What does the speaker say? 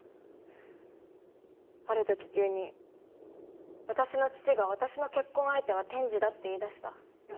ある時急に私の父が私の結婚相手は天智だって言い出した。